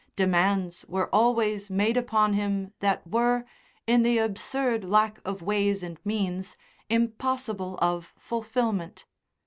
Demands were always made upon him that were, in the absurd lack of ways and means, impossible of fulfilment.